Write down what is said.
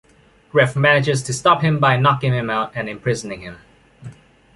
Griff manages to stop him by knocking him out and imprisoning him.